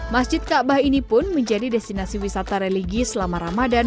masjid ka'bah ini pun menjadi destinasi wisata religi selama ramadan